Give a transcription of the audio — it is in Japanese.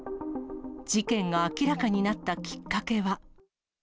事件が明らかになったきっかけは。